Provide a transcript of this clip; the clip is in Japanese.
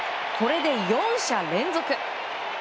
これで４者連続。